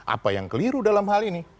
apa yang keliru dalam hal ini